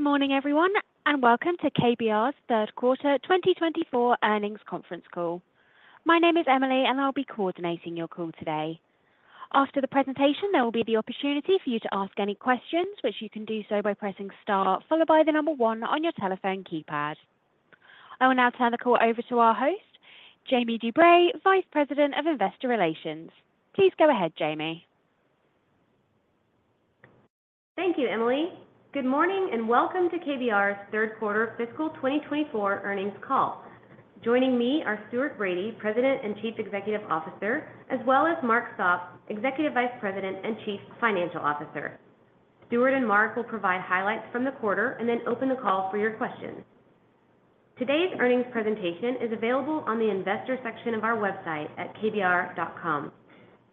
Good morning, everyone, and welcome to KBR's third quarter 2024 earnings conference call. My name is Emily, and I'll be coordinating your call today. After the presentation, there will be the opportunity for you to ask any questions, which you can do so by pressing star, followed by the number one on your telephone keypad. I will now turn the call over to our host, Jamie DuBray, Vice President of Investor Relations. Please go ahead, Jamie. Thank you, Emily. Good morning, and welcome to KBR's third quarter fiscal 2024 earnings call. Joining me are Stuart Bradie, President and Chief Executive Officer, as well as Mark Sopp, Executive Vice President and Chief Financial Officer. Stuart and Mark will provide highlights from the quarter and then open the call for your questions. Today's earnings presentation is available on the investor section of our website at kbr.com.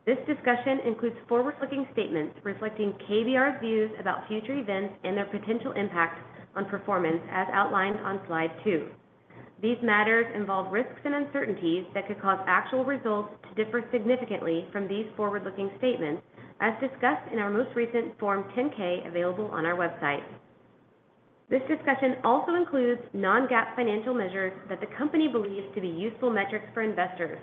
This discussion includes forward-looking statements reflecting KBR's views about future events and their potential impact on performance, as outlined on slide two. These matters involve risks and uncertainties that could cause actual results to differ significantly from these forward-looking statements, as discussed in our most recent Form 10-K, available on our website. This discussion also includes non-GAAP financial measures that the company believes to be useful metrics for investors.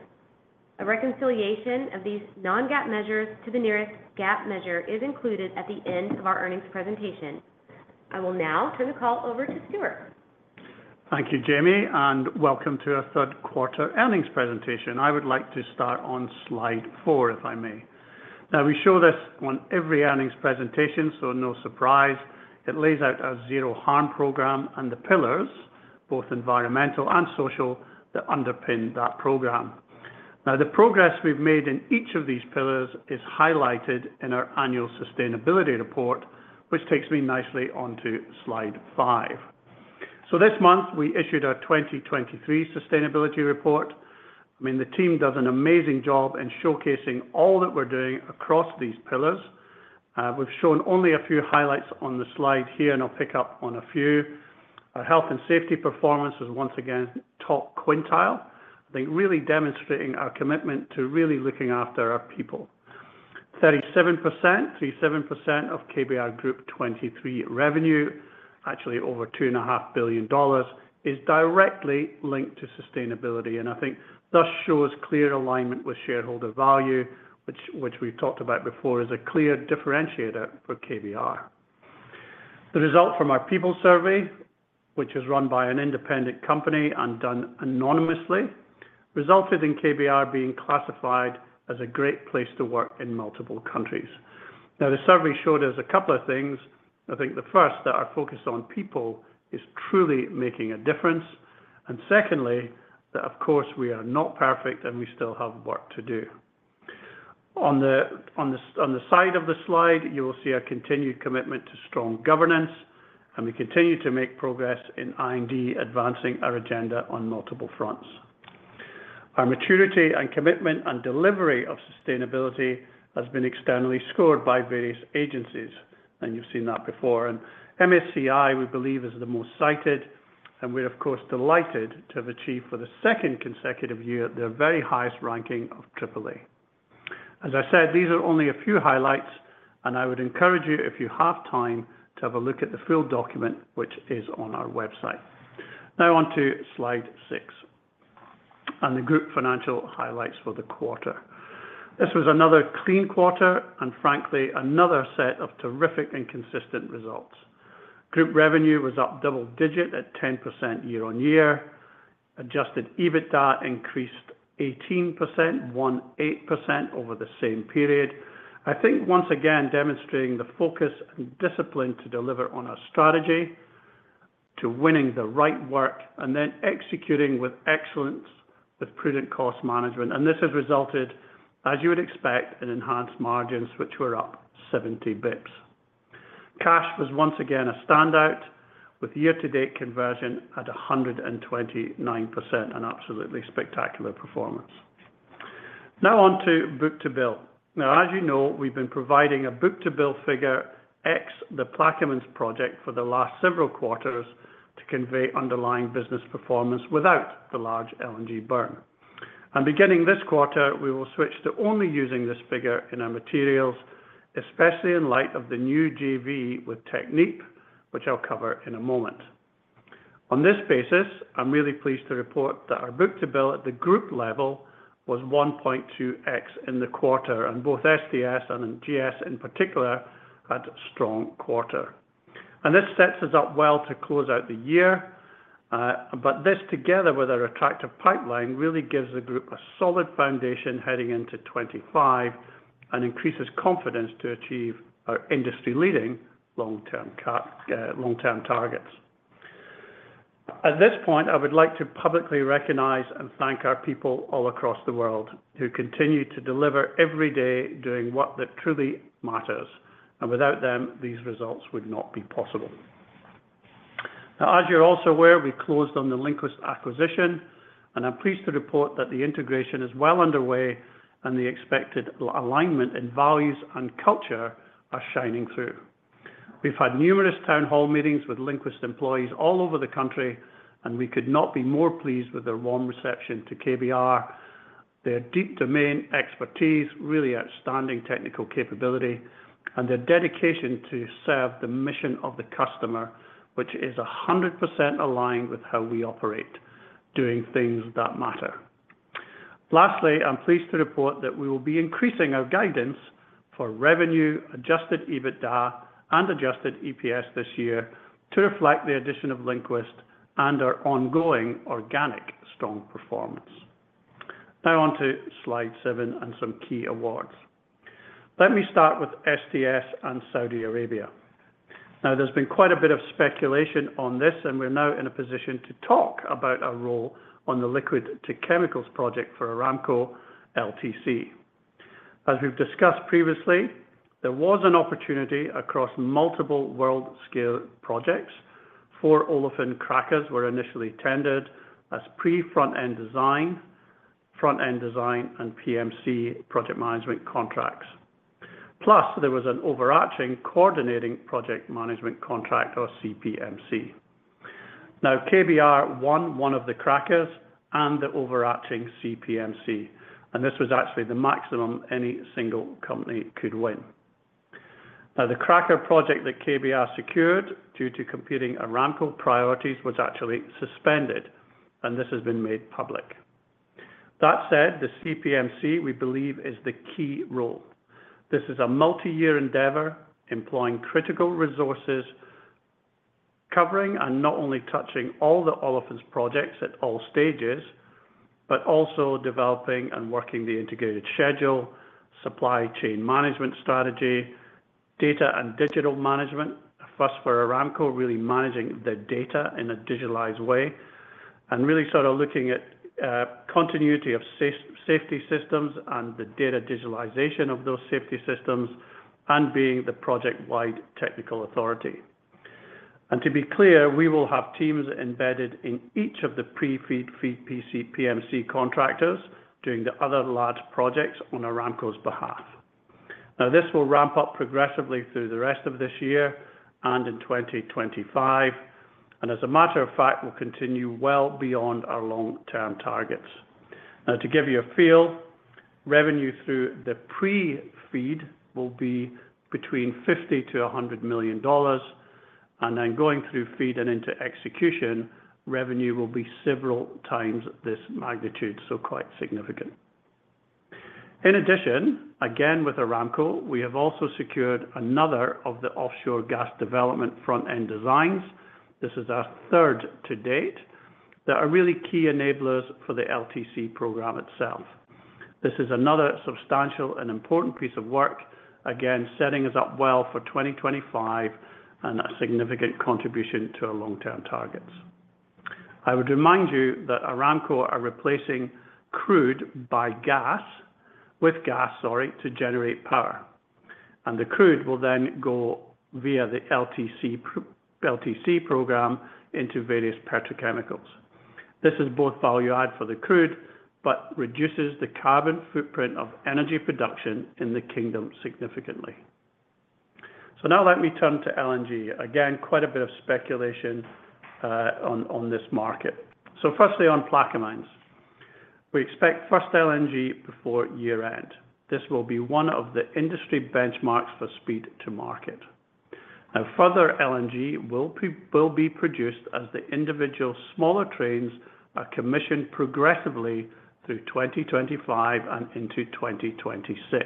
A reconciliation of these non-GAAP measures to the nearest GAAP measure is included at the end of our earnings presentation. I will now turn the call over to Stuart. Thank you, Jamie, and welcome to our third quarter earnings presentation. I would like to start on slide four, if I may. Now, we show this on every earnings presentation, so no surprise. It lays out our Zero Harm program and the pillars, both environmental and social, that underpin that program. Now, the progress we've made in each of these pillars is highlighted in our annual sustainability report, which takes me nicely onto slide five. So this month, we issued our 2023 Sustainability Report. I mean, the team does an amazing job in showcasing all that we're doing across these pillars. We've shown only a few highlights on the slide here, and I'll pick up on a few. Our health and safety performance is once again top quintile. I think really demonstrating our commitment to really looking after our people. 37%, 37% of KBR Group 2023 revenue, actually over $2.5 billion, is directly linked to sustainability, and I think thus shows clear alignment with shareholder value, which, which we've talked about before, is a clear differentiator for KBR. The result from our people survey, which is run by an independent company and done anonymously, resulted in KBR being classified as a Great Place to Work in multiple countries. Now, the survey showed us a couple of things. I think the first, that our focus on people is truly making a difference, and secondly, that of course, we are not perfect and we still have work to do. On the side of the slide, you will see our continued commitment to strong governance, and we continue to make progress in I&D, advancing our agenda on multiple fronts. Our maturity and commitment and delivery of sustainability has been externally scored by various agencies, and you've seen that before, and MSCI, we believe, is the most cited, and we're of course delighted to have achieved for the second consecutive year, their very highest ranking of AAA. As I said, these are only a few highlights, and I would encourage you, if you have time, to have a look at the full document, which is on our website. Now on to slide six, and the group financial highlights for the quarter. This was another clean quarter and frankly, another set of terrific and consistent results. Group revenue was up double digit at 10% year-on-year. Adjusted EBITDA increased 18%, 18% over the same period. I think once again, demonstrating the focus and discipline to deliver on our strategy, to winning the right work and then executing with excellence, with prudent cost management, and this has resulted, as you would expect, in enhanced margins, which were up 70 bps. Cash was once again a standout with year-to-date conversion at 129%, an absolutely spectacular performance. Now on to book-to-bill. Now, as you know, we've been providing a book-to-bill figure ex the Plaquemines project for the last several quarters to convey underlying business performance without the large LNG burn, and beginning this quarter, we will switch to only using this figure in our materials, especially in light of the new JV with Technip, which I'll cover in a moment. On this basis, I'm really pleased to report that our book-to-bill at the group level was 1.2x in the quarter, and both STS and GS in particular had a strong quarter. This sets us up well to close out the year, but this together with our attractive pipeline really gives the group a solid foundation heading into 2025 and increases confidence to achieve our industry-leading long-term targets. At this point, I would like to publicly recognize and thank our people all across the world who continue to deliver every day doing what truly matters, and without them, these results would not be possible. Now, as you're also aware, we closed on the LinQuest acquisition, and I'm pleased to report that the integration is well underway and the expected alignment in values and culture are shining through. We've had numerous town hall meetings with LinQuest employees all over the country, and we could not be more pleased with their warm reception to KBR. Their deep domain expertise, really outstanding technical capability, and their dedication to serve the mission of the customer, which is 100% aligned with how we operate, doing things that matter. Lastly, I'm pleased to report that we will be increasing our guidance for revenue, Adjusted EBITDA, and Adjusted EPS this year to reflect the addition of LinQuest and our ongoing organic strong performance. Now on to slide seven and some key awards. Let me start with STS and Saudi Arabia. Now, there's been quite a bit of speculation on this, and we're now in a position to talk about our role on the Liquids-to-Chemicals project for Aramco LTC. As we've discussed previously, there was an opportunity across multiple world-scale projects. Four olefin crackers were initially tendered as pre-front-end design, front-end design, and PMC project management contracts. Plus, there was an overarching coordinating project management contract or CPMC. Now, KBR won one of the crackers and the overarching CPMC, and this was actually the maximum any single company could win. Now, the cracker project that KBR secured due to competing Aramco priorities, was actually suspended, and this has been made public. That said, the CPMC, we believe, is the key role. This is a multi-year endeavor, employing critical resources, covering and not only touching all the olefins projects at all stages, but also developing and working the integrated schedule, supply chain management strategy, data and digital management. Thus, for Aramco, really managing the data in a digitalized way and really sort of looking at continuity of safety systems and the data digitalization of those safety systems and being the project-wide technical authority, and to be clear, we will have teams embedded in each of the Pre-FEED, FEED, EPC, PMC contractors doing the other large projects on Aramco's behalf. Now, this will ramp up progressively through the rest of this year and in 2025, and as a matter of fact, will continue well beyond our long-term targets. Now, to give you a feel, revenue through the Pre-FEED will be between $50 million-$100 million, and then going through FEED and into execution, revenue will be several times this magnitude, so quite significant. In addition, again, with Aramco, we have also secured another of the offshore gas development front-end designs. This is our third to date that are really key enablers for the LTC program itself. This is another substantial and important piece of work, again, setting us up well for 2025 and a significant contribution to our long-term targets. I would remind you that Aramco are replacing crude by gas, with gas, sorry, to generate power, and the crude will then go via the LTC program into various petrochemicals. This is both value-add for the crude, but reduces the carbon footprint of energy production in the Kingdom significantly. Now let me turn to LNG. Again, quite a bit of speculation on this market. Firstly, on Plaquemines. We expect first LNG before year-end. This will be one of the industry benchmarks for speed to market. Now, further LNG will be produced as the individual smaller trains are commissioned progressively through 2025 and into 2026.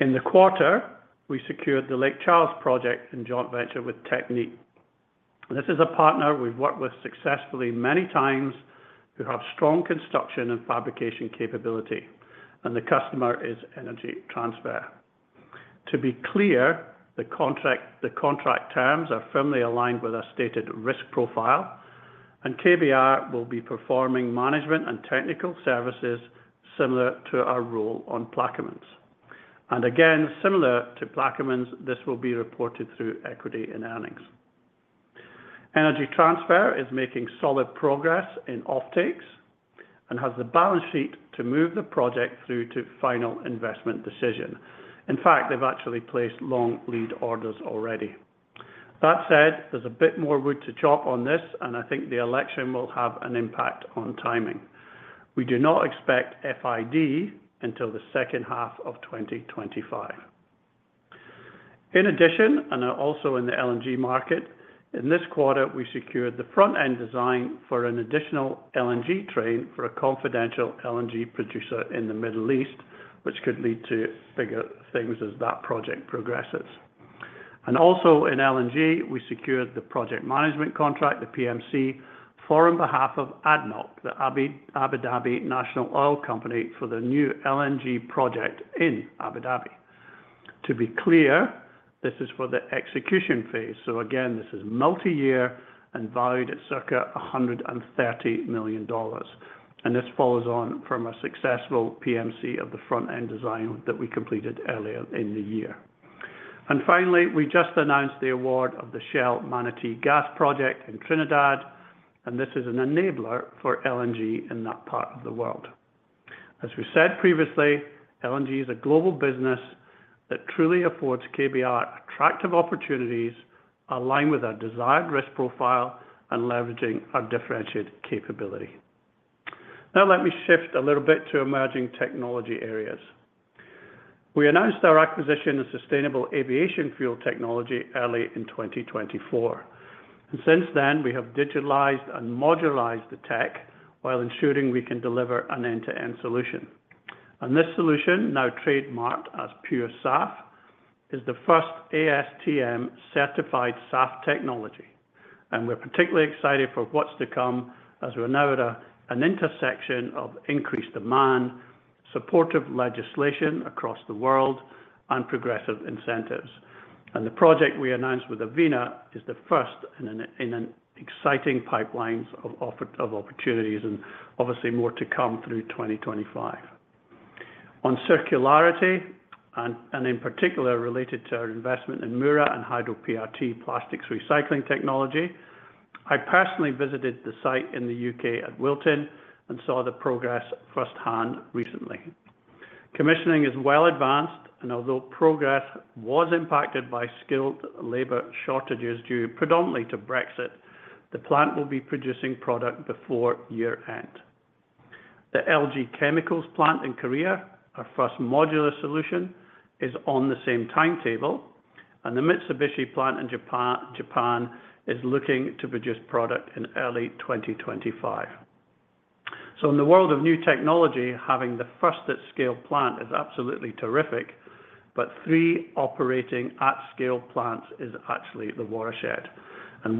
In the quarter, we secured the Lake Charles project in joint venture with Technip Energies. This is a partner we've worked with successfully many times, who have strong construction and fabrication capability, and the customer is Energy Transfer. To be clear, the contract terms are firmly aligned with our stated risk profile, and KBR will be performing management and technical services similar to our role on Plaquemines. And again, similar to Plaquemines, this will be reported through equity in earnings. Energy Transfer is making solid progress in offtakes and has the balance sheet to move the project through to final investment decision. In fact, they've actually placed long lead orders already. That said, there's a bit more wood to chop on this, and I think the election will have an impact on timing. We do not expect FID until the second half of 2025. In addition, and also in the LNG market, in this quarter, we secured the front-end design for an additional LNG train for a confidential LNG producer in the Middle East, which could lead to bigger things as that project progresses. And also in LNG, we secured the project management contract, the PMC, on behalf of ADNOC, the Abu Dhabi National Oil Company, for their new LNG project in Abu Dhabi. To be clear, this is for the execution phase. So again, this is multi-year and valued at circa $130 million, and this follows on from a successful PMC of the front-end design that we completed earlier in the year. Finally, we just announced the award of the Shell Manatee Gas Project in Trinidad, and this is an enabler for LNG in that part of the world. As we said previously, LNG is a global business that truly affords KBR attractive opportunities, aligned with our desired risk profile and leveraging our differentiated capability. Now, let me shift a little bit to emerging technology areas. We announced our acquisition of sustainable aviation fuel technology early in 2024, and since then, we have digitalized and modularized the tech while ensuring we can deliver an end-to-end solution. This solution, now trademarked as PureSAF, is the first ASTM-certified SAF technology, and we're particularly excited for what's to come as we're now at an intersection of increased demand, supportive legislation across the world, and progressive incentives. The project we announced with Avina is the first in an exciting pipeline of opportunities, and obviously more to come through 2025. On circularity, and in particular, related to our investment in Mura and Hydro-PRT plastics recycling technology, I personally visited the site in the U.K. at Wilton and saw the progress firsthand recently. Commissioning is well advanced, and although progress was impacted by skilled labor shortages due predominantly to Brexit, the plant will be producing product before year-end. The LG Chem plant in Korea, our first modular solution, is on the same timetable, and the Mitsubishi plant in Japan is looking to produce product in early 2025. In the world of new technology, having the first at-scale plant is absolutely terrific, but three operating at-scale plants is actually the watershed.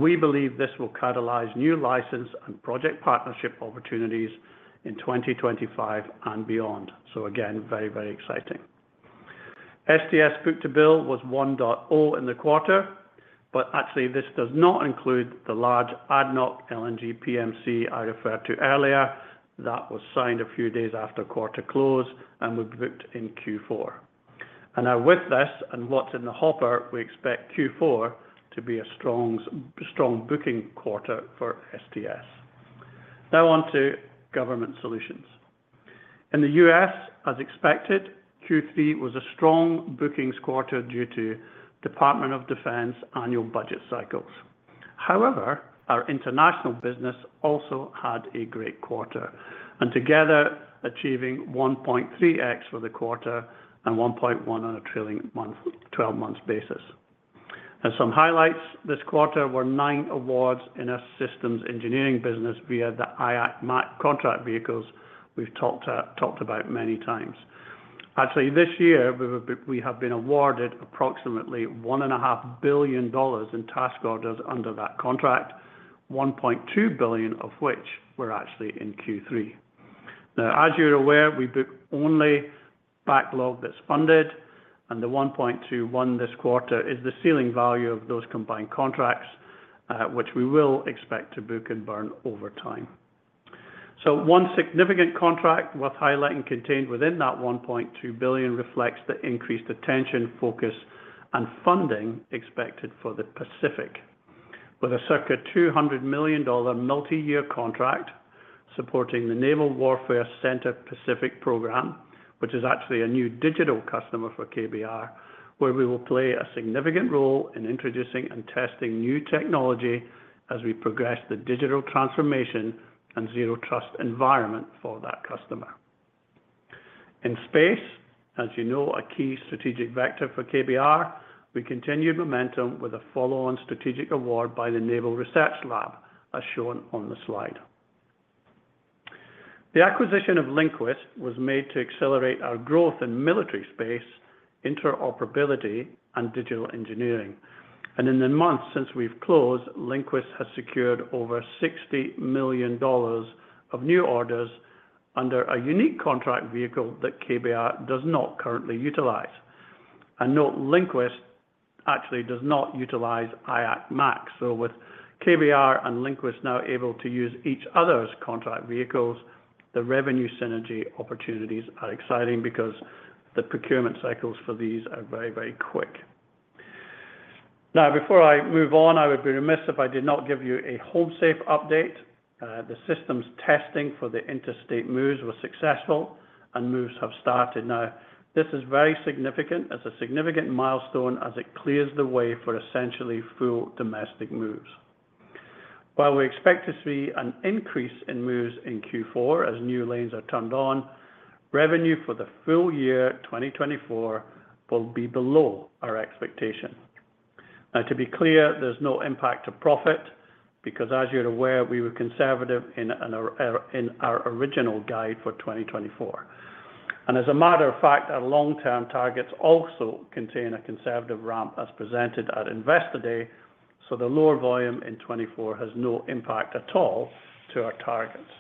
We believe this will catalyze new license and project partnership opportunities in 2025 and beyond. Again, very, very exciting. STS book-to-bill was 1.0 in the quarter, but actually, this does not include the large ADNOC LNG PMC I referred to earlier. That was signed a few days after quarter close and was booked in Q4. Now with this and what's in the hopper, we expect Q4 to be a strong booking quarter for STS. Now on to government solutions. In the U.S., as expected, Q3 was a strong bookings quarter due to Department of Defense annual budget cycles. However, our international business also had a great quarter, and together, achieving 1.3x for the quarter and 1.1x on a trailing twelve months basis. Some highlights this quarter were nine awards in our systems engineering business via the IAC MAC contract vehicles we've talked about many times. Actually, this year, we have been awarded approximately $1.5 billion in task orders under that contract, $1.2 billion of which were actually in Q3. Now, as you're aware, we book only backlog that's funded, and the $1.2 billion this quarter is the ceiling value of those combined contracts, which we will expect to book and burn over time. One significant contract worth highlighting contained within that $1.2 billion reflects the increased attention, focus, and funding expected for the Pacific, with a circa $200 million multi-year contract supporting the Naval Warfare Center Pacific program, which is actually a new digital customer for KBR, where we will play a significant role in introducing and testing new technology as we progress the digital transformation and zero-trust environment for that customer. In space, as you know, a key strategic vector for KBR, we continued momentum with a follow-on strategic award by the Naval Research Laboratory, as shown on the slide. The acquisition of LinQuest was made to accelerate our growth in military space, interoperability, and digital engineering. And in the months since we've closed, LinQuest has secured over $60 million of new orders under a unique contract vehicle that KBR does not currently utilize. Note, LinQuest actually does not utilize IAC MAC. With KBR and LinQuest now able to use each other's contract vehicles, the revenue synergy opportunities are exciting because the procurement cycles for these are very, very quick. Now, before I move on, I would be remiss if I did not give you a HomeSafe update. The system's testing for the interstate moves was successful, and moves have started. Now, this is very significant. It's a significant milestone as it clears the way for essentially full domestic moves. While we expect to see an increase in moves in Q4 as new lanes are turned on, revenue for the full year 2024 will be below our expectation. Now, to be clear, there's no impact to profit, because as you're aware, we were conservative in our original guide for 2024. And as a matter of fact, our long-term targets also contain a conservative ramp as presented at Investor Day, so the lower volume in 2024 has no impact at all to our targets.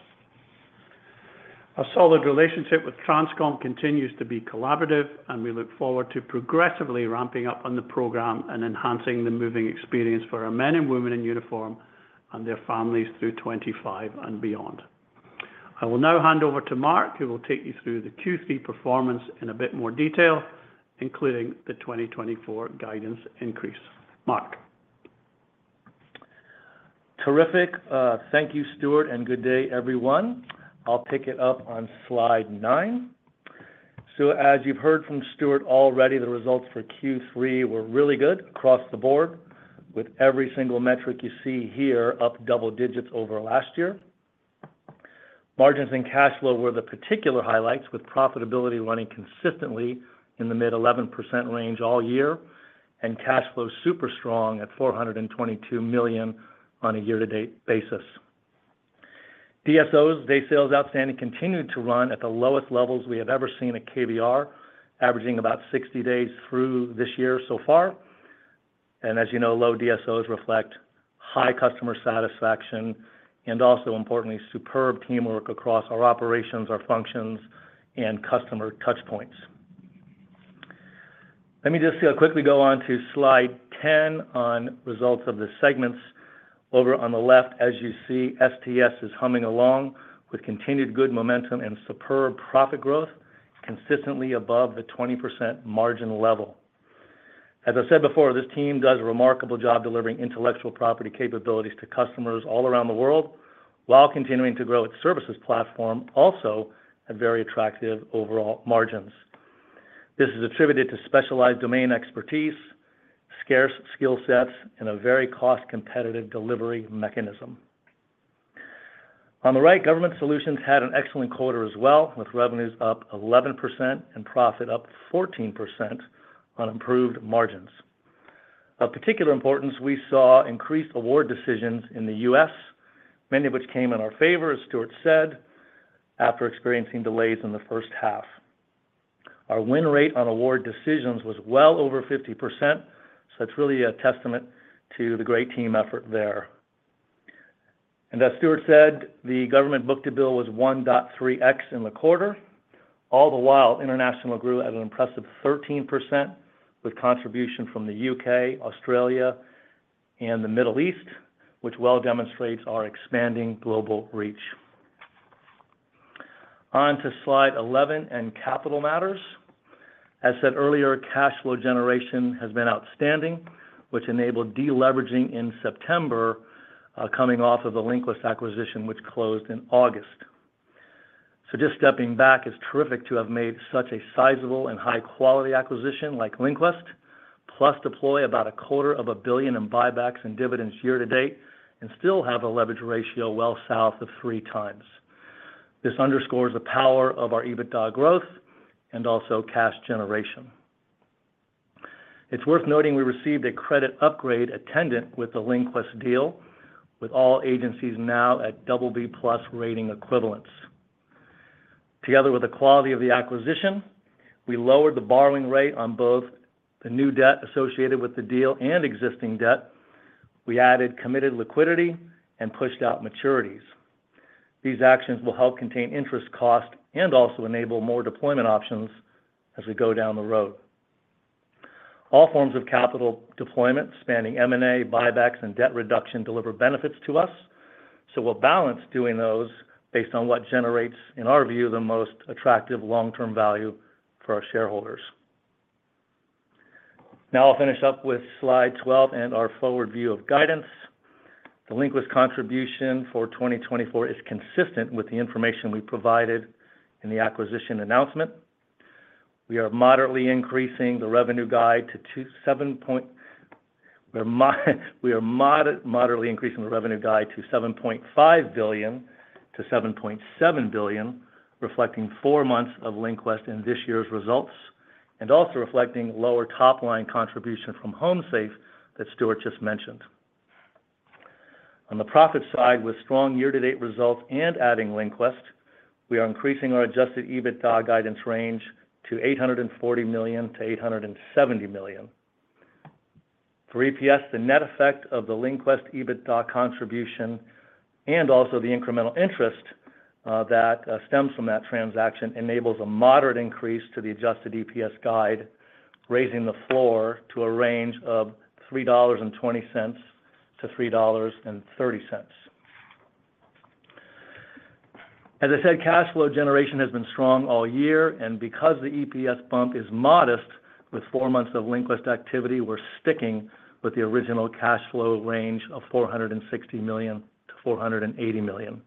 Our solid relationship with Transcom continues to be collaborative, and we look forward to progressively ramping up on the program and enhancing the moving experience for our men and women in uniform and their families through 2025 and beyond. I will now hand over to Mark, who will take you through the Q3 performance in a bit more detail, including the 2024 guidance increase. Mark? Terrific. Thank you, Stuart, and good day, everyone. I'll pick it up on slide nine. So as you've heard from Stuart already, the results for Q3 were really good across the board, with every single metric you see here up double digits over last year. Margins and cash flow were the particular highlights, with profitability running consistently in the mid-11% range all year, and cash flow super strong at $422 million on a year-to-date basis. DSOs, Days Sales Outstanding, continued to run at the lowest levels we have ever seen at KBR, averaging about 60 days through this year so far. And as you know, low DSOs reflect high customer satisfaction and also, importantly, superb teamwork across our operations, our functions, and customer touchpoints. Let me just quickly go on to slide 10 on results of the segments. Over on the left, as you see, STS is humming along with continued good momentum and superb profit growth, consistently above the 20% margin level. As I said before, this team does a remarkable job delivering intellectual property capabilities to customers all around the world, while continuing to grow its services platform, also at very attractive overall margins. This is attributed to specialized domain expertise, scarce skill sets, and a very cost-competitive delivery mechanism. On the right, Government Solutions had an excellent quarter as well, with revenues up 11% and profit up 14% on improved margins. Of particular importance, we saw increased award decisions in the U.S., many of which came in our favor, as Stuart said, after experiencing delays in the first half. Our win rate on award decisions was well over 50%, so it's really a testament to the great team effort there. As Stuart said, the government book-to-bill was 1.3x in the quarter. All the while, international grew at an impressive 13%, with contribution from the U.K., Australia, and the Middle East, which well demonstrates our expanding global reach. On to slide 11 and capital matters. As said earlier, cash flow generation has been outstanding, which enabled deleveraging in September, coming off of the LinQuest acquisition, which closed in August. So just stepping back, it's terrific to have made such a sizable and high-quality acquisition like LinQuest, plus deploy about $250 million in buybacks and dividends year to date, and still have a leverage ratio well south of 3x. This underscores the power of our EBITDA growth and also cash generation. It's worth noting we received a credit upgrade attendant with the LinQuest deal, with all agencies now at BB+ rating equivalence. Together with the quality of the acquisition, we lowered the borrowing rate on both the new debt associated with the deal and existing debt. We added committed liquidity and pushed out maturities. These actions will help contain interest costs and also enable more deployment options as we go down the road. All forms of capital deployment, spanning M&A, buybacks, and debt reduction, deliver benefits to us, so we'll balance doing those based on what generates, in our view, the most attractive long-term value for our shareholders. Now, I'll finish up with slide 12 and our forward view of guidance. The LinQuest contribution for 2024 is consistent with the information we provided in the acquisition announcement. We are moderately increasing the revenue guide to $7.5 billion-$7.7 billion, reflecting four months of LinQuest in this year's results, and also reflecting lower top-line contribution from HomeSafe that Stuart just mentioned. On the profit side, with strong year-to-date results and adding LinQuest, we are increasing our adjusted EBITDA guidance range to $840 million-$870 million. For EPS, the net effect of the LinQuest EBITDA contribution and also the incremental interest that stems from that transaction enables a moderate increase to the adjusted EPS guide, raising the floor to a range of $3.20-$3.30. As I said, cash flow generation has been strong all year, and because the EPS bump is modest with four months of LinQuest activity, we're sticking with the original cash flow range of $460 million-$480 million.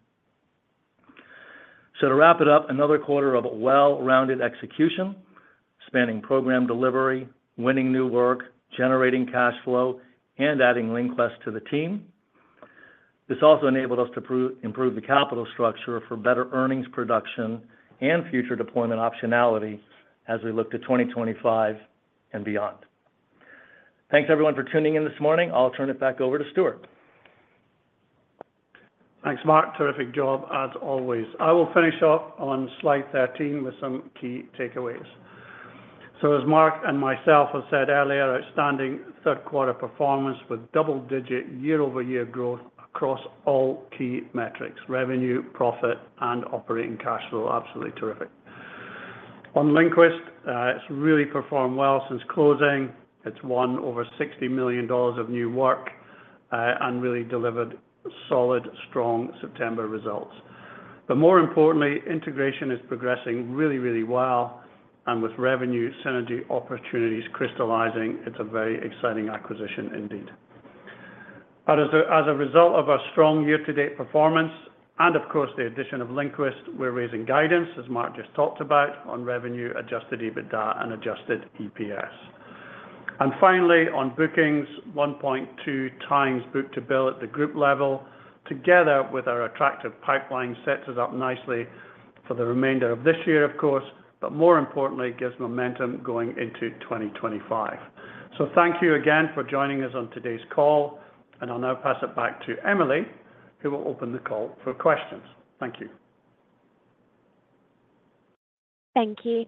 To wrap it up, another quarter of well-rounded execution, spanning program delivery, winning new work, generating cash flow, and adding LinQuest to the team. This also enabled us to improve the capital structure for better earnings production and future deployment optionality as we look to 2025 and beyond. Thanks, everyone, for tuning in this morning. I'll turn it back over to Stuart. Thanks, Mark. Terrific job, as always. I will finish up on slide 13 with some key takeaways. So as Mark and myself have said earlier, outstanding third quarter performance with double-digit year-over-year growth across all key metrics, revenue, profit, and operating cash flow. Absolutely terrific. On LinQuest, it's really performed well since closing. It's won over $60 million of new work, and really delivered solid, strong September results. But more importantly, integration is progressing really, really well, and with revenue synergy opportunities crystallizing, it's a very exciting acquisition indeed. But as a result of our strong year-to-date performance and, of course, the addition of LinQuest, we're raising guidance, as Mark just talked about, on revenue, adjusted EBITDA, and adjusted EPS. And finally, on bookings, one point two times book-to-bill at the group level, together with our attractive pipeline, sets us up nicely for the remainder of this year, of course, but more importantly, gives momentum going into 2025. So thank you again for joining us on today's call, and I'll now pass it back to Emily, who will open the call for questions. Thank you. Thank you.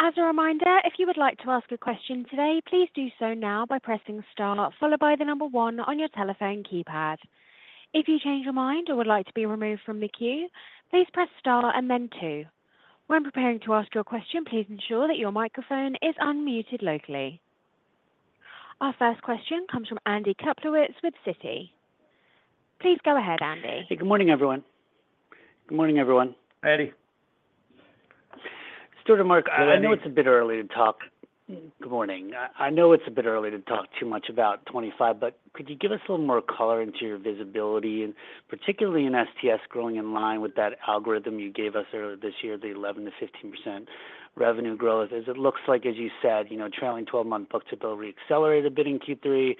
As a reminder, if you would like to ask a question today, please do so now by pressing star followed by the number one on your telephone keypad. If you change your mind or would like to be removed from the queue, please press star and then two. When preparing to ask your question, please ensure that your microphone is unmuted locally. Our first question comes from Andy Kaplowitz with Citi. Please go ahead, Andy. Good morning, everyone. Hi, Andy. Stuart and Mark, good morning. I know it's a bit early to talk too much about 2025, but could you give us a little more color into your visibility, and particularly in STS growing in line with that algorithm you gave us earlier this year, the 11%-15% revenue growth, as it looks like, as you said, you know, trailing 12-month book-to-bill reaccelerated a bit in Q3.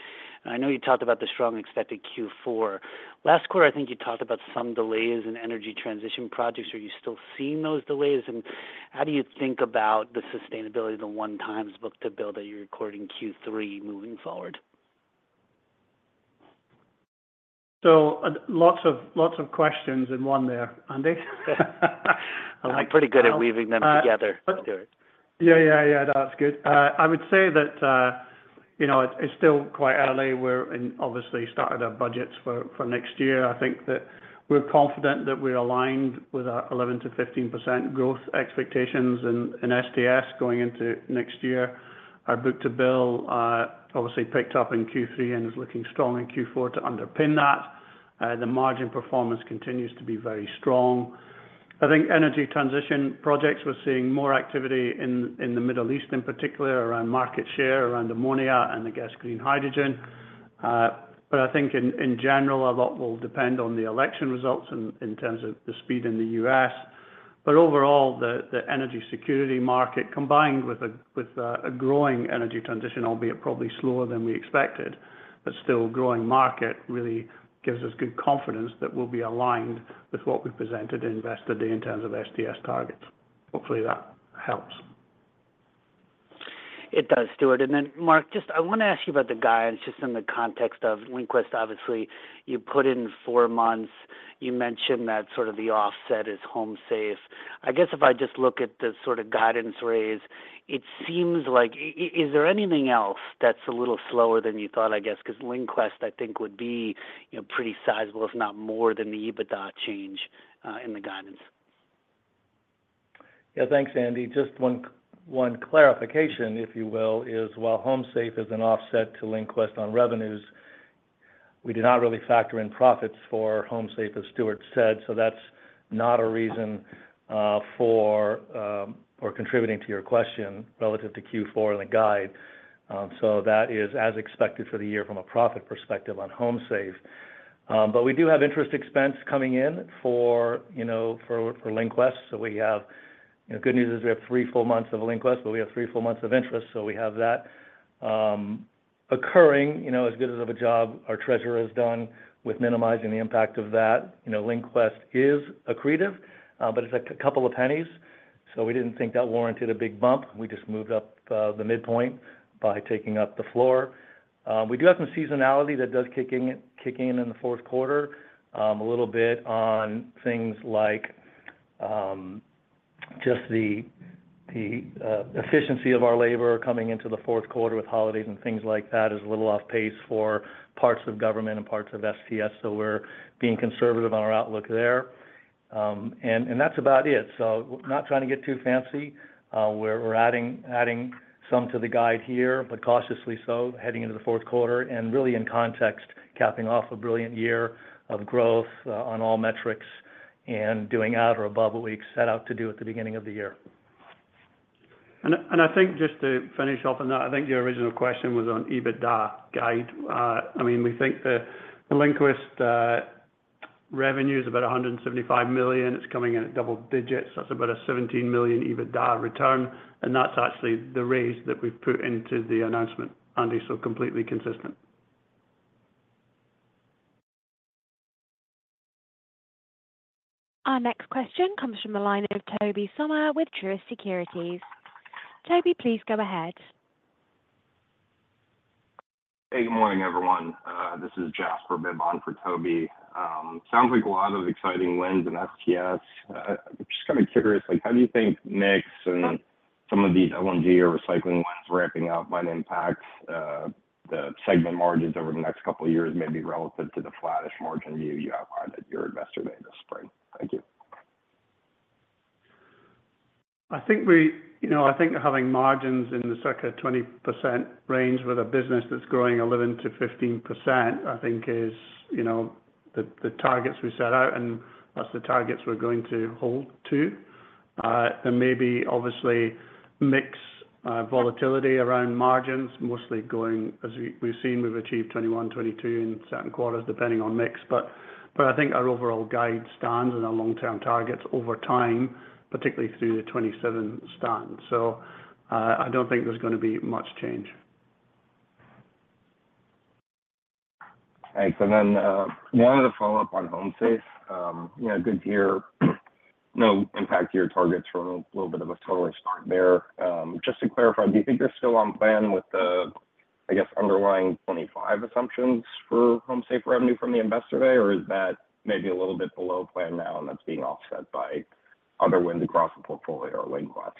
I know you talked about the strong expected Q4. Last quarter, I think you talked about some delays in energy transition projects. Are you still seeing those delays? And how do you think about the sustainability of the one times book-to-bill that you recorded in Q3 moving forward? So lots of, lots of questions in one there, Andy. I'm pretty good at weaving them together, Stuart. Yeah, yeah, yeah, that's good. I would say that, you know, it's still quite early. We're obviously started our budgets for next year. I think that we're confident that we're aligned with our 11%-15% growth expectations in STS going into next year. Our book-to-bill obviously picked up in Q3 and is looking strong in Q4 to underpin that. The margin performance continues to be very strong. I think energy transition projects, we're seeing more activity in the Middle East, in particular, around market share, around ammonia and the gas green hydrogen. But I think in general, a lot will depend on the election results in terms of the speed in the U.S.. But overall, the energy security market, combined with a growing energy transition, albeit probably slower than we expected, but still growing market, really gives us good confidence that we'll be aligned with what we presented in Investor Day in terms of STS targets. Hopefully, that helps. It does, Stuart. And then, Mark, just I want to ask you about the guidance, just in the context of LinQuest. Obviously, you put in four months. You mentioned that sort of the offset is HomeSafe. I guess if I just look at the sort of guidance raise, it seems like... Is there anything else that's a little slower than you thought, I guess? Because LinQuest, I think, would be, you know, pretty sizable, if not more than the EBITDA change in the guidance. Yeah. Thanks, Andy. Just one clarification, if you will, is while HomeSafe is an offset to LinQuest on revenues, we do not really factor in profits for HomeSafe, as Stuart said, so that's not a reason for or contributing to your question relative to Q4 and the guide. So that is as expected for the year from a profit perspective on HomeSafe. But we do have interest expense coming in for, you know, for LinQuest. So we have, you know, good news is we have three full months of LinQuest, but we have three full months of interest, so we have that occurring, you know, as good of a job our treasurer has done with minimizing the impact of that. You know, LinQuest is accretive, but it's a couple of pennies, so we didn't think that warranted a big bump. We just moved up the midpoint by taking up the floor. We do have some seasonality that does kicking in in the fourth quarter, a little bit on things like just the efficiency of our labor coming into the fourth quarter with holidays and things like that is a little off pace for parts of government and parts of STS, so we're being conservative on our outlook there. And that's about it. So not trying to get too fancy. We're adding some to the guide here, but cautiously so, heading into the fourth quarter, and really in context, capping off a brilliant year of growth on all metrics and doing at or above what we set out to do at the beginning of the year. I think just to finish off on that. I think your original question was on EBITDA guide. I mean, we think the LinQuest revenue is about $175 million. It's coming in at double digits. That's about a $17 million EBITDA return, and that's actually the raise that we've put into the announcement, Andy, so completely consistent. Our next question comes from the line of Toby Sommer with Truist Securities. Toby, please go ahead. Hey, good morning, everyone. This is Jasper Bibb for Toby. Sounds like a lot of exciting wins in STS. Just kind of curious, like, how do you think mix and some of these LNG or recycling wins ramping up might impact the segment margins over the next couple of years, maybe relative to the flattish margin view you outlined at your Investor Day this spring? Thank you. I think we, you know, I think having margins in the circa 20% range with a business that's growing 11%-15%, I think is, you know, the, the targets we set out, and that's the targets we're going to hold to. And maybe obviously, mix, volatility around margins, mostly going as we, we've seen, we've achieved 21%, 22% in certain quarters, depending on mix. But, but I think our overall guide stands and our long-term targets over time, particularly through the 2027 stand. So, I don't think there's gonna be much change. Thanks. And then, the other follow-up on HomeSafe, you know, good to hear, no impact to your targets from a little bit of a slower start there. Just to clarify, do you think they're still on plan with the, I guess, underlying 2025 assumptions for HomeSafe revenue from the Investor Day, or is that maybe a little bit below plan now, and that's being offset by other wins across the portfolio or LinQuest?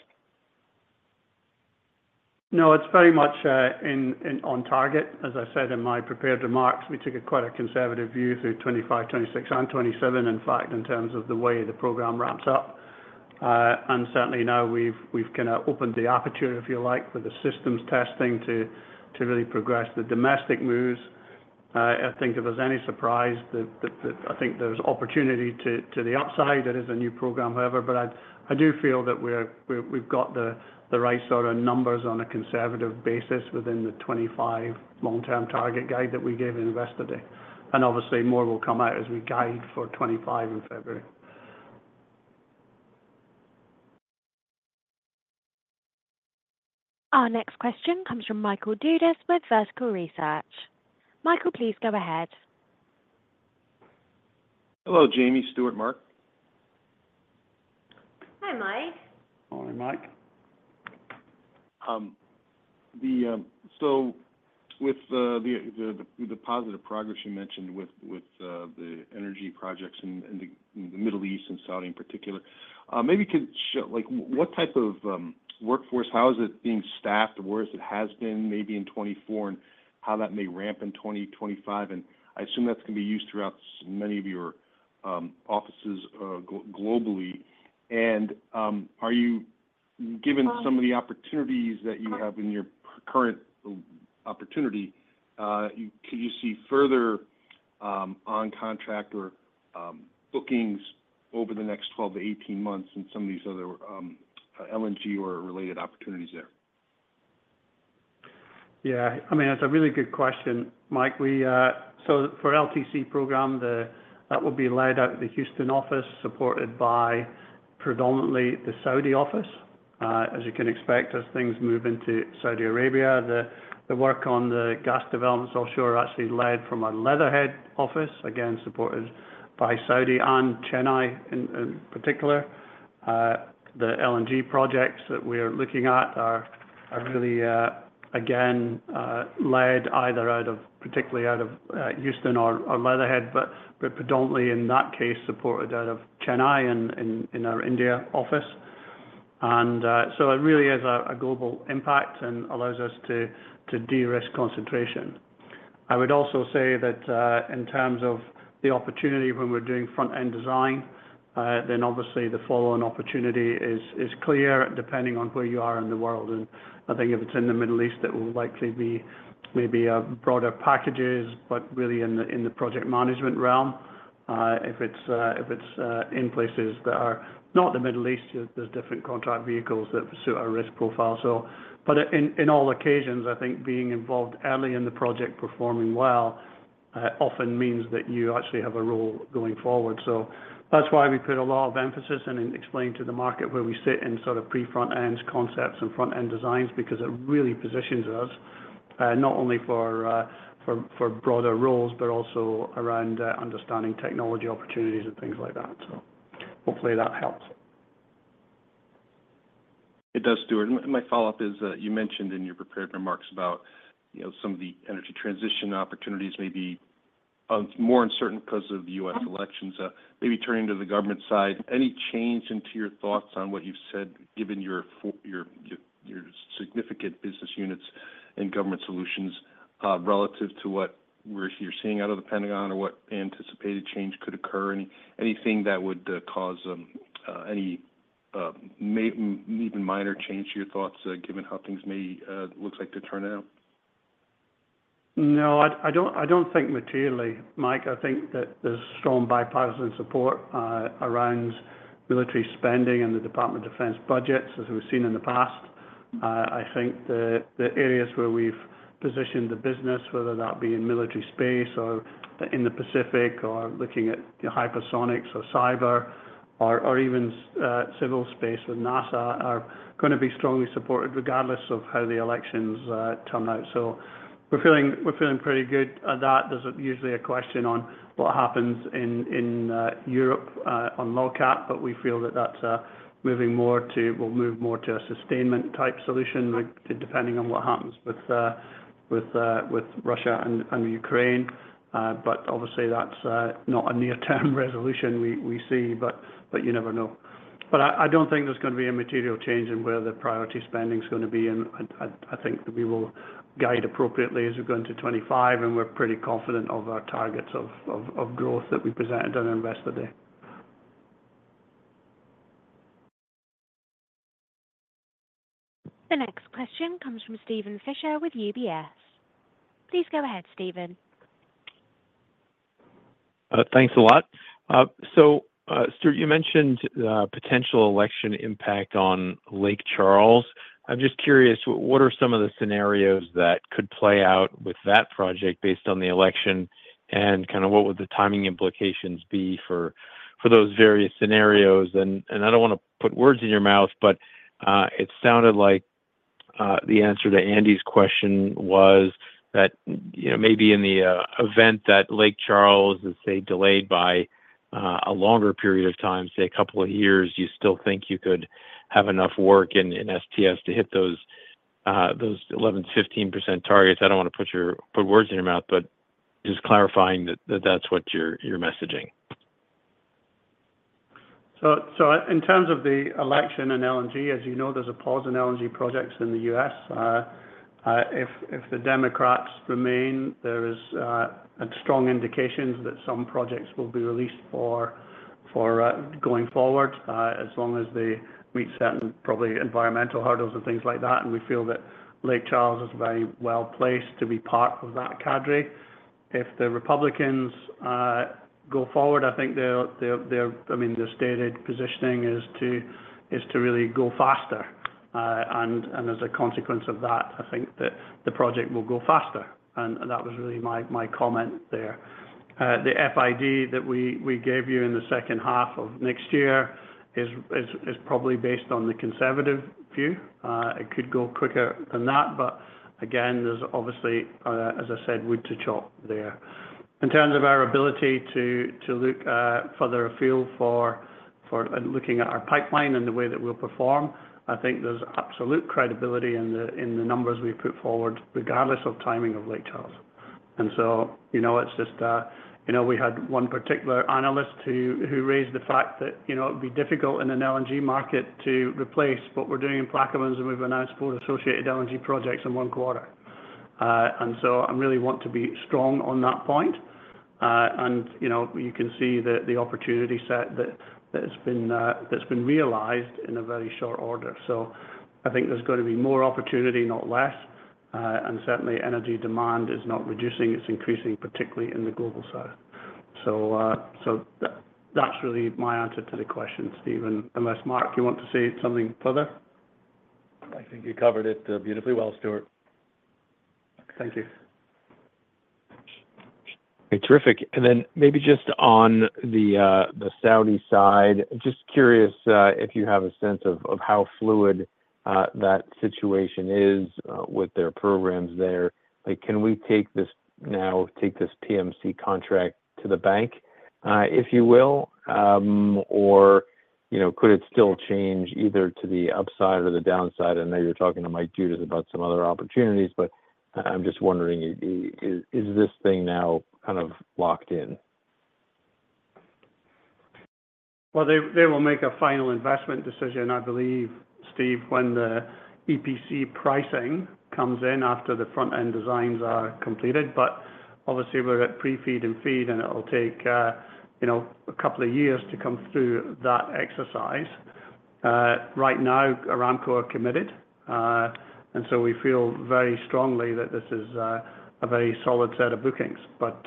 No, it's very much on target. As I said in my prepared remarks, we took a quite a conservative view through 2025, 2026, and 2027, in fact, in terms of the way the program ramps up. And certainly now we've kinda opened the aperture, if you like, for the systems testing to really progress the domestic moves. I think if there's any surprise, that I think there's opportunity to the upside, it is a new program, however. But I do feel that we're. We've got the right sort of numbers on a conservative basis within the 2025 long-term target guide that we gave in Investor Day. Obviously, more will come out as we guide for 2025 in February. Our next question comes from Michael Dudas with Vertical Research. Michael, please go ahead. Hello, Jamie, Stuart, Mark. Hi, Mike. Morning, Mike. So with the positive progress you mentioned with the energy projects in the Middle East and Saudi in particular, maybe could like, what type of workforce, how is it being staffed, or where as it has been maybe in 2024, and how that may ramp in 2025? And I assume that's going to be used throughout many of your offices globally. And, are you, given some of the opportunities that you have in your current opportunity, can you see further on contract or bookings over the next 12-18 months in some of these other LNG or related opportunities there? Yeah, I mean, that's a really good question, Mike. We, so for LTC program, that will be led out of the Houston office, supported by predominantly the Saudi office. As you can expect, as things move into Saudi Arabia, the work on the gas developments offshore are actually led from our Leatherhead office, again, supported by Saudi and Chennai in particular. The LNG projects that we're looking at are really, again, led either out of, particularly out of, Houston or Leatherhead, but predominantly in that case, supported out of Chennai in our India office. And, so it really is a global impact and allows us to de-risk concentration. I would also say that, in terms of the opportunity when we're doing front-end design, then obviously the follow-on opportunity is clear, depending on where you are in the world. And I think if it's in the Middle East, it will likely be maybe, broader packages, but really in the project management realm. If it's in places that are not the Middle East, there's different contract vehicles that suit our risk profile. So, but in all occasions, I think being involved early in the project, performing well, often means that you actually have a role going forward. So that's why we put a lot of emphasis and then explain to the market where we sit in sort of pre-front-end concepts and front-end designs, because it really positions us for broader roles, but also around understanding technology opportunities and things like that. So hopefully that helps. It does, Stuart, and my follow-up is, you mentioned in your prepared remarks about, you know, some of the energy transition opportunities may be more uncertain because of the U.S. elections. Maybe turning to the government side, any change in your thoughts on what you've said, given your significant business units and government solutions, relative to what you're seeing out of the Pentagon, or what anticipated change could occur? Anything that would cause any may even minor change to your thoughts, given how things may looks like to turn out? No, I don't think materially, Mike. I think that there's strong bipartisan support around military spending and the Department of Defense budgets, as we've seen in the past. I think the areas where we've positioned the business, whether that be in military space or in the Pacific, or looking at hypersonics or cyber or even civil space with NASA, are gonna be strongly supported regardless of how the elections turn out. So we're feeling pretty good at that. There's usually a question on what happens in Europe on LOGCAP, but we feel that that's will move more to a sustainment type solution, depending on what happens with Russia and Ukraine. But obviously, that's not a near-term resolution we see, but you never know. But I don't think there's gonna be a material change in where the priority spending is gonna be, and I think we will guide appropriately as we go into 2025, and we're pretty confident of our targets of growth that we presented on Investor Day. The next question comes from Steven Fisher with UBS. Please go ahead, Steven. Thanks a lot. So, Stuart, you mentioned the potential election impact on Lake Charles. I'm just curious, what are some of the scenarios that could play out with that project based on the election? And kind of what would the timing implications be for those various scenarios? And I don't want to put words in your mouth, but it sounded like the answer to Andy's question was that, you know, maybe in the event that Lake Charles is, say, delayed by a longer period of time, say, a couple of years, you still think you could have enough work in STS to hit those 11%-15% targets. I don't want to put words in your mouth, but just clarifying that, that's what you're messaging. In terms of the election and LNG, as you know, there's a pause in LNG projects in the U.S.. If the Democrats remain, there is a strong indications that some projects will be released for going forward, as long as they meet certain probably environmental hurdles and things like that. And we feel that Lake Charles is very well placed to be part of that cadre. If the Republicans go forward, I think their, I mean, their stated positioning is to really go faster. And as a consequence of that, I think that the project will go faster, and that was really my comment there. The FID that we gave you in the second half of next year is probably based on the conservative view. It could go quicker than that, but again, there's obviously, as I said, wood to chop there. In terms of our ability to look further afield for looking at our pipeline and the way that we'll perform, I think there's absolute credibility in the numbers we've put forward, regardless of timing of Lake Charles. And so, you know, it's just, you know, we had one particular analyst who raised the fact that, you know, it would be difficult in an LNG market to replace what we're doing in Plaquemines, and we've announced four associated LNG projects in one quarter. And so I really want to be strong on that point. And, you know, you can see that the opportunity set that's been realized in a very short order. So I think there's going to be more opportunity, not less. And certainly energy demand is not reducing, it's increasing, particularly in the Global South. So, that, that's really my answer to the question, Steven, unless, Mark, you want to say something further? I think you covered it, beautifully well, Stuart. Thank you. Terrific, and then maybe just on the Saudi side, just curious if you have a sense of how fluid that situation is with their programs there. Like, can we take this now, take this PMC contract to the bank, if you will? Or, you know, could it still change either to the upside or the downside? I know you're talking to Mike Judith about some other opportunities, but I'm just wondering, is this thing now kind of locked in? They will make a final investment decision, I believe, Steve, when the EPC pricing comes in after the front-end designs are completed. But obviously we're atPre-FEED and FEED, and it'll take, you know, a couple of years to come through that exercise. Right now, Aramco are committed, and so we feel very strongly that this is a very solid set of bookings. But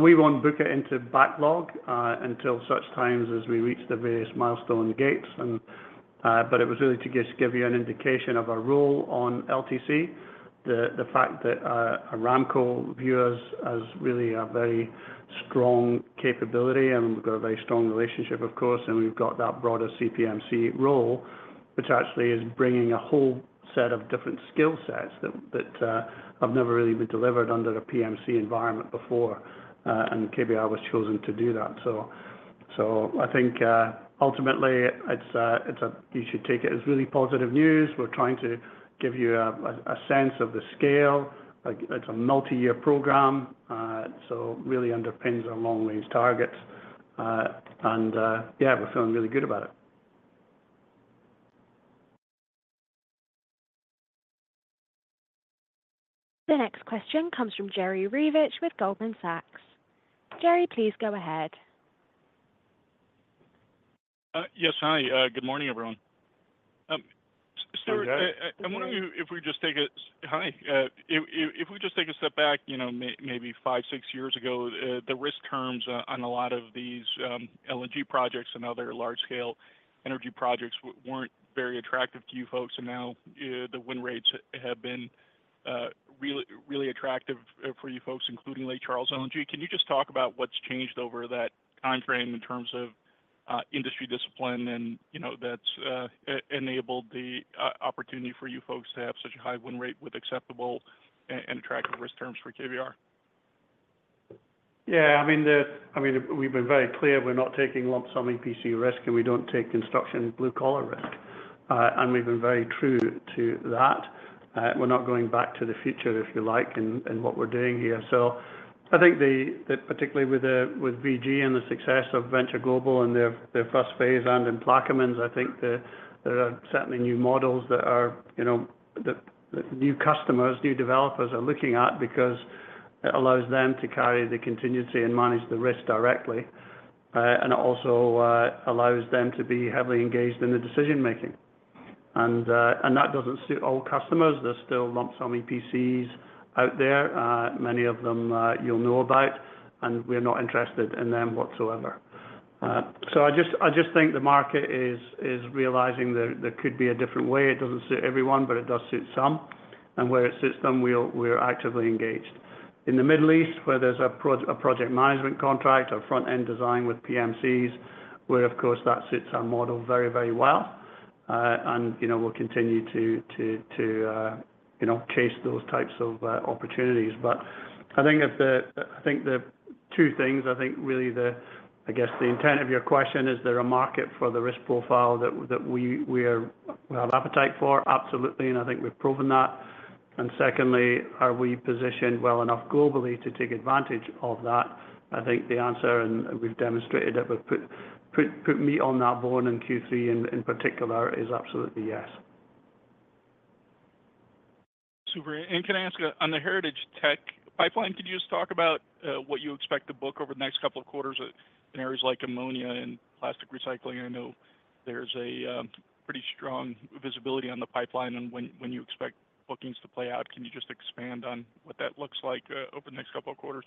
we won't book it into backlog, until such times as we reach the various milestone gates and... But it was really to just give you an indication of our role on LTC, the fact that Aramco views us as really a very strong capability, and we've got a very strong relationship, of course, and we've got that broader CPMC role, which actually is bringing a whole set of different skill sets that have never really been delivered under a PMC environment before, and KBR was chosen to do that. So I think ultimately it's a – you should take it as really positive news. We're trying to give you a sense of the scale. Like, it's a multi-year program, so really underpins our long-range targets. And yeah, we're feeling really good about it. The next question comes from Jerry Revich with Goldman Sachs. Jerry, please go ahead. Yes. Hi, good morning, everyone. Stuart- Good morning. I'm wondering if we just take a step back, you know, maybe five, six years ago, the risk terms on a lot of these LNG projects and other large-scale energy projects weren't very attractive to you folks, and now, the win rates have been really, really attractive for you folks, including Lake Charles LNG. Can you just talk about what's changed over that timeframe in terms of industry discipline and, you know, that's enabled the opportunity for you folks to have such a high win rate with acceptable and attractive risk terms for KBR? Yeah, I mean, we've been very clear, we're not taking lump sum EPC risk, and we don't take construction blue collar risk. And we've been very true to that. We're not going back to the future, if you like, in what we're doing here. So I think particularly with VG and the success of Venture Global and their first phase and in Plaquemines, I think there are certainly new models that are, you know, that new customers, new developers are looking at because it allows them to carry the contingency and manage the risk directly. And it also allows them to be heavily engaged in the decision making. And that doesn't suit all customers. There's still lump sum EPCs out there, many of them, you'll know about, and we're not interested in them whatsoever. So I just think the market is realizing that there could be a different way. It doesn't suit everyone, but it does suit some, and where it suits them, we're actively engaged. In the Middle East, where there's a project management contract or front-end design with PMCs, where, of course, that suits our model very, very well. And, you know, we'll continue to, you know, chase those types of opportunities. But I think that the two things, I think, really the, I guess, the intent of your question, is there a market for the risk profile that we have appetite for? Absolutely, and I think we've proven that. Secondly, are we positioned well enough globally to take advantage of that? I think the answer, and we've demonstrated it, we've put meat on that bone in Q3 in particular, is absolutely yes. Super. And can I ask you, on the Heritage Tech pipeline, could you just talk about what you expect to book over the next couple of quarters in areas like ammonia and plastic recycling? I know there's a pretty strong visibility on the pipeline, and when you expect bookings to play out, can you just expand on what that looks like over the next couple of quarters?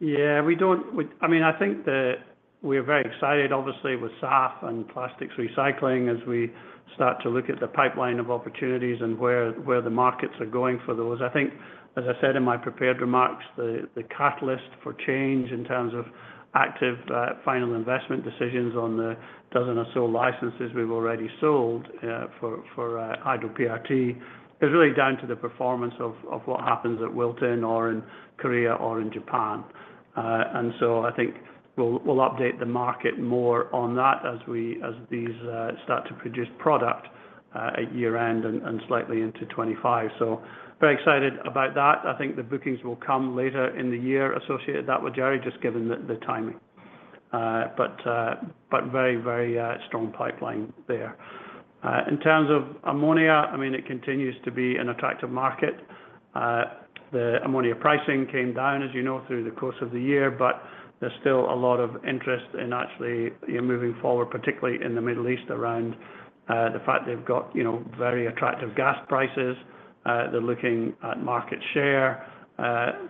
Yeah, we don't. I mean, I think that we're very excited, obviously, with SAF and plastics recycling as we start to look at the pipeline of opportunities and where the markets are going for those. I think, as I said in my prepared remarks, the catalyst for change in terms of active final investment decisions on the dozen or so licenses we've already sold for Hydro-PRT is really down to the performance of what happens at Wilton or in Korea or in Japan. And so I think we'll update the market more on that as these start to produce product at year-end and slightly into2025. So very excited about that. I think the bookings will come later in the year associated with that with Jerry, just given the timing. But very, very strong pipeline there. In terms of ammonia, I mean, it continues to be an attractive market. The ammonia pricing came down, as you know, through the course of the year, but there's still a lot of interest in actually, you know, moving forward, particularly in the Middle East, around the fact they've got, you know, very attractive gas prices. They're looking at market share.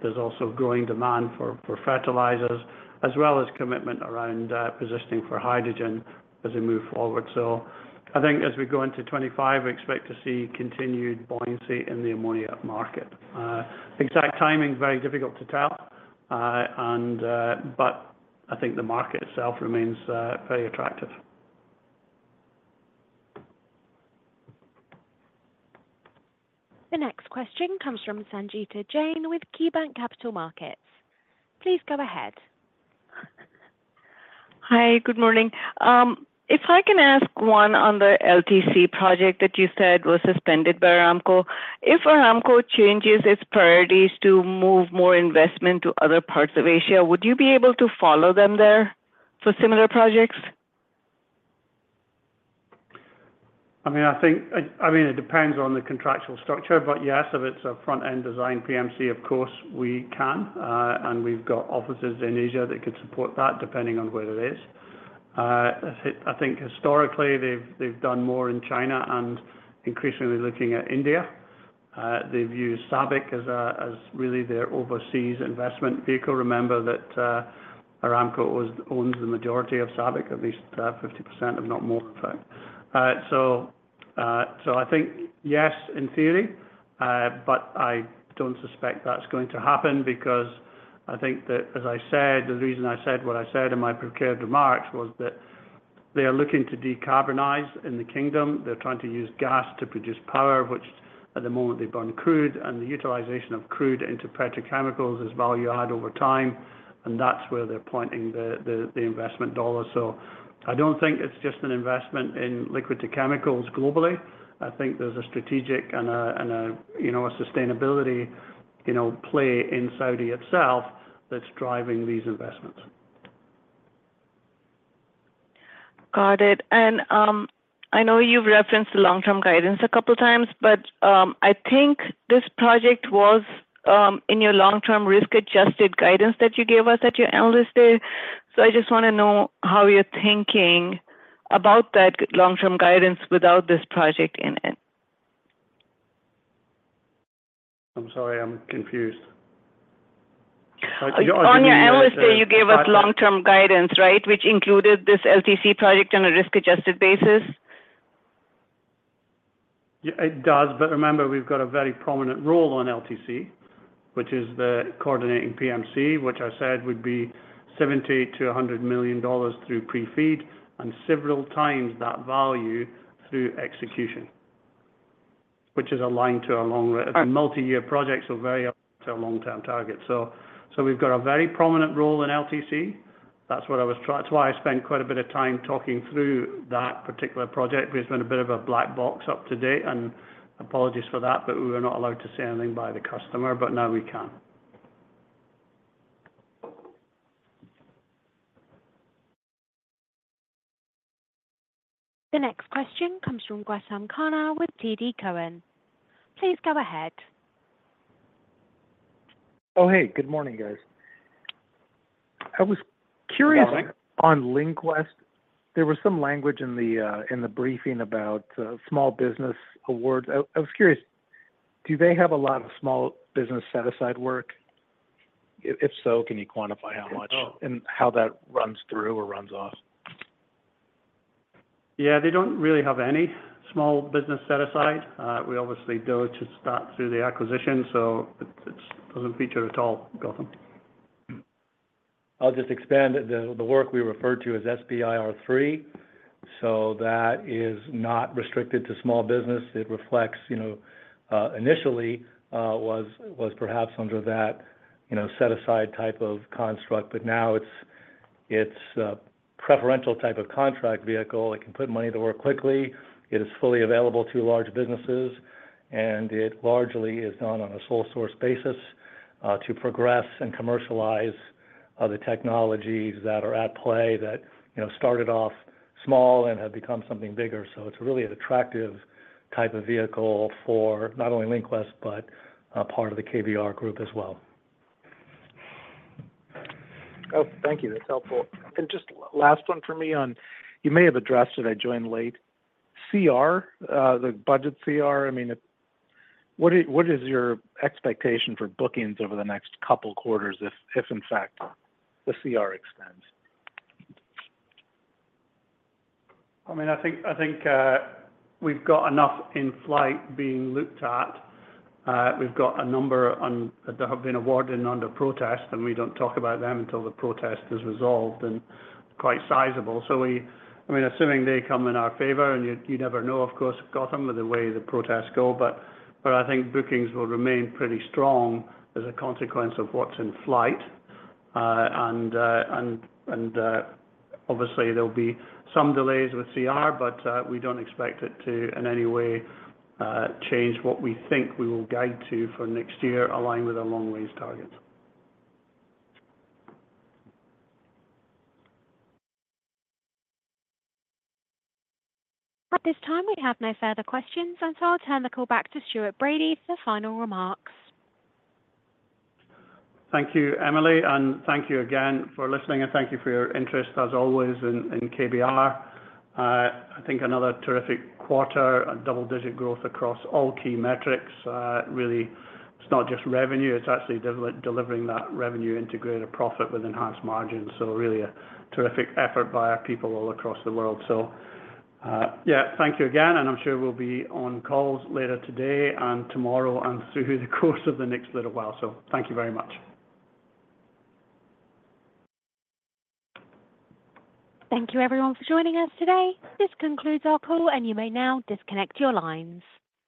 There's also growing demand for fertilizers, as well as commitment around positioning for hydrogen as we move forward. So I think as we go into 2025, we expect to see continued buoyancy in the ammonia market. Exact timing, very difficult to tell, and but I think the market itself remains very attractive. The next question comes from Sangita Jain with KeyBanc Capital Markets. Please go ahead. Hi, good morning. If I can ask one on the LTC project that you said was suspended by Aramco. If Aramco changes its priorities to move more investment to other parts of Asia, would you be able to follow them there for similar projects? I mean, I think it depends on the contractual structure, but yes, if it's a front-end design PMC, of course, we can. And we've got offices in Asia that could support that, depending on where it is. I think historically, they've done more in China and increasingly looking at India. They view SABIC as really their overseas investment vehicle. Remember that Aramco owns the majority of SABIC, at least 50%, if not more, in fact. So I think, yes, in theory, but I don't suspect that's going to happen because I think that, as I said, the reason I said what I said in my prepared remarks was that they are looking to decarbonize in the Kingdom. They're trying to use gas to produce power, which at the moment they burn crude, and the utilization of crude into petrochemicals is value-add over time, and that's where they're pointing the investment dollar. I don't think it's just an investment in Liquids-to-Chemicals globally. I think there's a strategic and, you know, a sustainability, you know, play in Saudi itself that's driving these investments. Got it. And I know you've referenced the long-term guidance a couple of times, but I think this project was in your long-term risk-adjusted guidance that you gave us at your Analyst Day. So I just want to know how you're thinking about that long-term guidance without this project in it. I'm sorry, I'm confused. On your Analyst Day, you gave us long-term guidance, right, which included this LTC project on a risk-adjusted basis. Yeah, it does, but remember, we've got a very prominent role on LTC, which is the coordinating PMC, which I said would be $70 million-$100 million through Pre-FEED and several times that value through execution, which is aligned to our long... Our multiyear projects are very to our long-term target. So, we've got a very prominent role in LTC. That's what I was-- that's why I spent quite a bit of time talking through that particular project, because it's been a bit of a black box up to date, and apologies for that, but we were not allowed to say anything by the customer, but now we can. The next question comes from Gautam Khanna with TD Cowen. Please go ahead. Oh, hey, good morning, guys. I was curious on LinQuest. There was some language in the briefing about small business awards. I was curious, do they have a lot of small business set-aside work? If so, can you quantify how much and how that runs through or runs off? Yeah. They don't really have any small business set-aside. We obviously do it to start through the acquisition, so it doesn't feature at all, Gautam. I'll just expand. The work we referred to as SBIR III, so that is not restricted to small business. It reflects, you know, initially was perhaps under that, you know, set-aside type of construct, but now it's a preferential type of contract vehicle. It can put money to work quickly. It is fully available to large businesses, and it largely is done on a sole source basis, to progress and commercialize other technologies that are at play that, you know, started off small and have become something bigger. So it's really an attractive type of vehicle for not only LinQuest, but part of the KBR Group as well. Oh, thank you. That's helpful. And just last one for me on... You may have addressed it, I joined late. CR, the budget CR, I mean, what is your expectation for bookings over the next couple quarters if in fact, the CR extends? I mean, I think we've got enough in flight being looked at. We've got a number of that have been awarded under protest, and we don't talk about them until the protest is resolved and quite sizable. So I mean, assuming they come in our favor, and you never know, of course, Gautam, with the way the protests go, but I think bookings will remain pretty strong as a consequence of what's in flight. And obviously there'll be some delays with CR, but we don't expect it to in any way change what we think we will guide to for next year, align with our long range targets. At this time, we have no further questions, and so I'll turn the call back to Stuart Bradie for final remarks. Thank you, Emily, and thank you again for listening, and thank you for your interest, as always, in KBR. I think another terrific quarter, a double-digit growth across all key metrics. Really, it's not just revenue, it's actually delivering that revenue into greater profit with enhanced margins. So really a terrific effort by our people all across the world. So, yeah, thank you again, and I'm sure we'll be on calls later today and tomorrow and through the course of the next little while. So thank you very much. Thank you, everyone, for joining us today. This concludes our call, and you may now disconnect your lines.